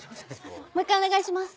もう１回お願いします。